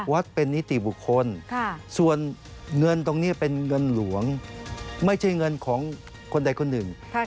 เป็นนิติบุคคลส่วนเงินตรงนี้เป็นเงินหลวงไม่ใช่เงินของคนใดคนหนึ่ง